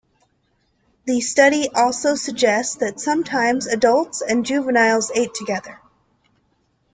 The study also suggests that sometimes adults and juveniles ate together.